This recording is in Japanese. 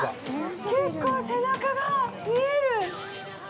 結構、背中が見える。